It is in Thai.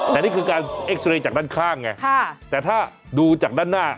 แต่นี่คือการเอ็กซาเรย์จากด้านข้างไงแต่ถ้าดูจากด้านหน้า